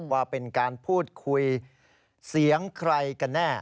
ว่าเป็นการพูดคุยเสียงใครกันแน่